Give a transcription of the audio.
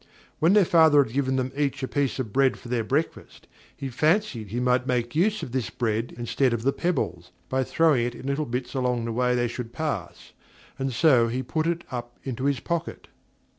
When their father had given each of them a piece of bread for their breakfast, he fancied he might make use of this bread instead of the pebbles, by throwing it in little bits all along the way they should pass; and so he put it up into his pocket.